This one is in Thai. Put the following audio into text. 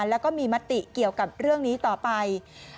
แล้วก็มีมติเกี่ยวกับเรื่องนี้ต่อไป